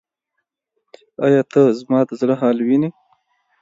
ایا ته زما د زړه حال وینې؟